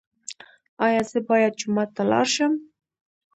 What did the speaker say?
ایا زه باید جومات ته لاړ شم؟